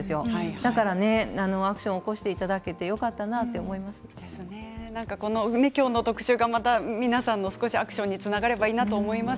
だからアクションを起こして今日の特集がまた皆さんのアクションにつながればいいなと思います。